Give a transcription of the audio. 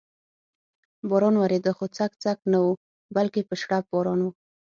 باران ورېده، خو څک څک نه و، بلکې په شړپ باران و.